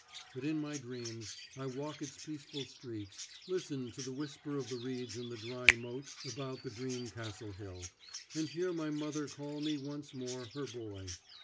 But in my dreams I walk its peaceful streets, listen to the whisper of the reeds in the dry moats about the green castle hill, and hear my mother call me once more her boy.